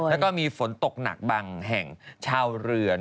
แล้วก็มีฝนตกหนักบางแห่งชาวเรือน